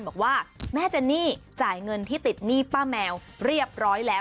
บอกว่าแม่เจนนี่จ่ายเงินที่ติดหนี้ป้าแมวเรียบร้อยแล้ว